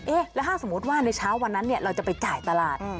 แล้วถ้าสมมุติว่าในเช้าวันนั้นเราจะไปจ่ายตลาด